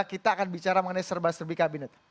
kita akan bicara mengenai serba serbi kabinet